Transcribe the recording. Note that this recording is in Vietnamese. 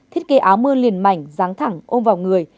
thiết kế áo mưa liền mảnh ráng thẳng ôm vào người